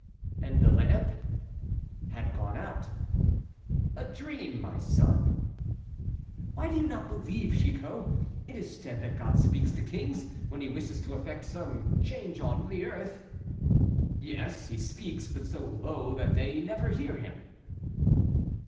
"And the lamp?" "Had gone out." "A dream, my son." "Why do you not believe, Chicot? It is said that God speaks to kings, when He wishes to effect some change on the earth." "Yes, he speaks, but so low that they never hear Him."